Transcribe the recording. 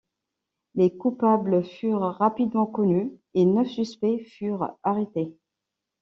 Les coupables furent rapidement connus et neuf suspects furent arrêtés.